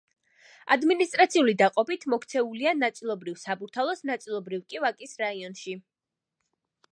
ადმინისტრაციული დაყოფით მოქცეულია ნაწილობრივ საბურთალოს, ნაწილობრივ კი ვაკის რაიონში.